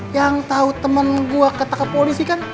yang tau temen gue kata ke polisi kan